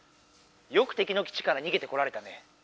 よくてきの基地からにげてこられたね。